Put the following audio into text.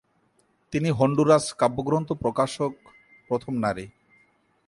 তিনি হন্ডুরাস কাব্যগ্রন্থ প্রকাশক প্রথম নারী।